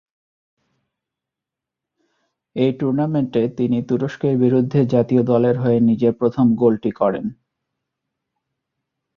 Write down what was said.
এই টুর্নামেন্টে তিনি তুরস্কের বিরুদ্ধে জাতীয় দলের হয়ে নিজের প্রথম গোলটি করেন।